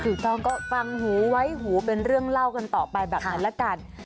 ถูกต้องก็ฟังหูไว้หูเป็นเรื่องเล่ากันต่อไปแบบนั้นละกัน